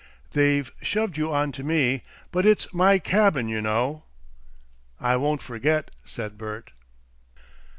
They've shoved you on to me, but it's my cabin, you know." "I won't forget," said Bert.